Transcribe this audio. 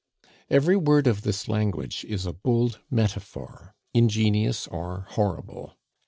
Every word of this language is a bold metaphor, ingenious or horrible.